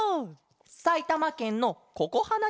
さいたまけんのここはな